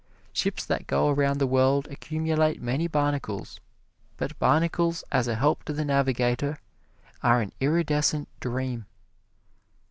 Ships that go around the world accumulate many barnacles, but barnacles as a help to the navigator are an iridescent dream.